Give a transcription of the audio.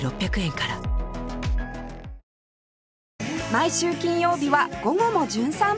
毎週金曜日は『午後もじゅん散歩』